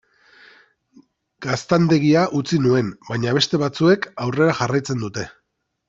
Gaztandegia utzi nuen, baina beste batzuek aurrera jarraitzen dute.